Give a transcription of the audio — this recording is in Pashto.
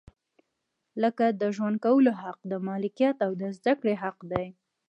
لکه د ژوند کولو حق، د ملکیت او زده کړې حق دی.